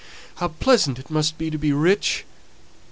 how pleasant it must be to be rich!